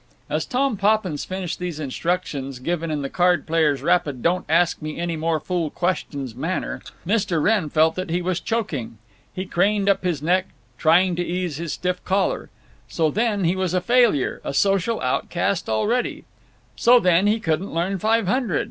As Tom Poppins finished these instructions, given in the card player's rapid don't ask me any more fool questions manner, Mr. Wrenn felt that he was choking. He craned up his neck, trying to ease his stiff collar. So, then, he was a failure, a social outcast already. So, then, he couldn't learn Five Hundred!